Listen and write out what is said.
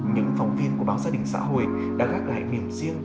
những phòng viên của báo gia đình xã hội đã gác lại miệng riêng